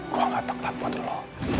gue gak tepat buat lo